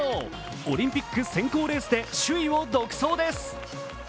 オリンピック選考レースで首位を独走です。